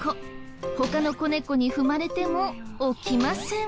他の子猫に踏まれても起きません。